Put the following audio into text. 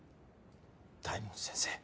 大門先生。